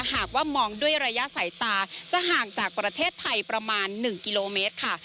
หากว่ามองด้วยระยะสายตาจะห่างจากประเทศไทยประมาณ๑กิโลเมตรค่ะ